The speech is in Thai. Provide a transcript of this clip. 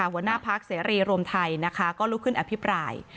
หัวหน้าพักเสรีรวมไทยนะคะก็ลุกขึ้นอภิปราย